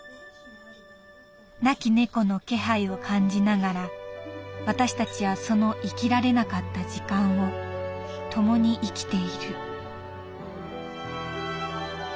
「亡き猫の気配を感じながら私たちはその生きられなかった時間を共に生きている」。